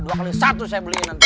dua kali satu saya belinya nanti